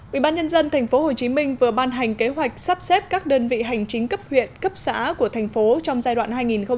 ubnd tp hcm vừa ban hành kế hoạch sắp xếp các đơn vị hành chính cấp huyện cấp xã của thành phố trong giai đoạn hai nghìn một mươi chín hai nghìn hai mươi một